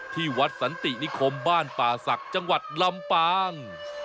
ที่วัดสันตินิคมบ้านป่าศักดิ์จังหวัดลำปาง